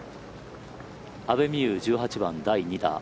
阿部未悠１８番、第２打。